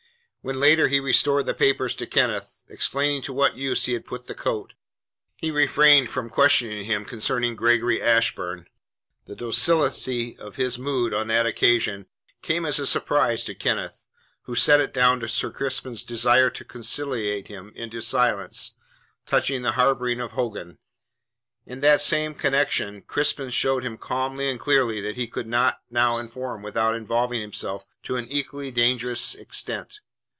When later he restored the papers to Kenneth, explaining to what use he had put the coat, he refrained from questioning him concerning Gregory Ashburn. The docility of his mood on that occasion came as a surprise to Kenneth, who set it down to Sir Crispin's desire to conciliate him into silence touching the harbouring of Hogan. In that same connexion Crispin showed him calmly and clearly that he could not now inform without involving himself to an equally dangerous extent.